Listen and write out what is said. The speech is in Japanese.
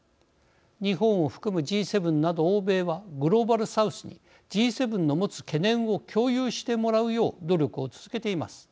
日本を含むＧ７など欧米はグローバルサウスにＧ７の持つ懸念を共有してもらうよう努力を続けています。